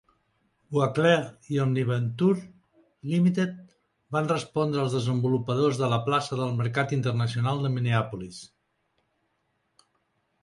Boisclair i Omni Venture, Limited, van respondre als desenvolupadors de la plaça del mercat internacional de Minneapolis.